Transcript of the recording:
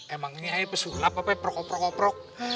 emang ini hanya pesulap apa be prok prok prok